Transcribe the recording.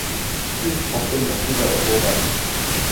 チーズたっぷりのピザをほおばる